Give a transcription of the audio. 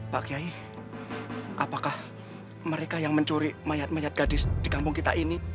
pak kiai apakah mereka yang mencuri mayat mayat gadis di kampung kita ini